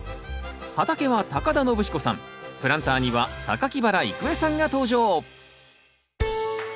畑は田延彦さんプランターには原郁恵さんが登場。